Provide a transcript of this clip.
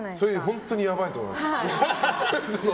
本当にやばいと思います。